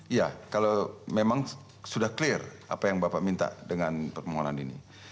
iya kalau memang sudah clear apa yang bapak minta dengan permohonan ini